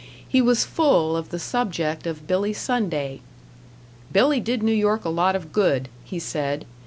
He was full of the subject of Billy Sunday. "Billy did New York a lot of good," he said.